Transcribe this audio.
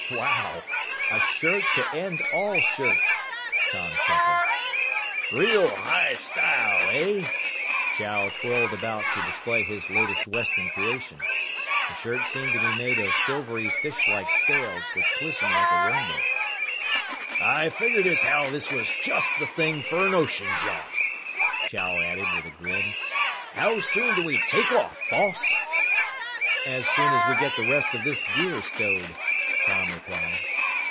"Wow! A shirt to end all shirts!" Tom chuckled. "Real high style, eh?" Chow twirled about to display his latest Western creation. The shirt seemed to be made of silvery fishlike scales, which glistened like a rainbow. "I figured as how this was just the thing fer an ocean jaunt," Chow added with a grin. "How soon do we take off, boss?" "As soon as we get the rest of this gear stowed," Tom replied.